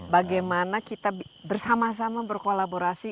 bagaimana kita bersama sama berkolaborasi